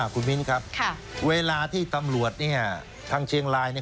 คุณมิ้นครับเวลาที่ตำรวจเนี่ยทางเชียงรายเนี่ย